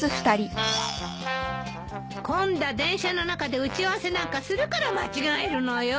混んだ電車の中で打ち合わせなんかするから間違えるのよ。